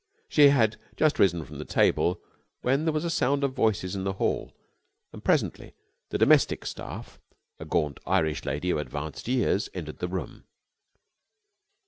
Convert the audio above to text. She had just risen from the table when there was a sound of voices in the hall, and presently the domestic staff, a gaunt Irish lady of advanced years, entered the room.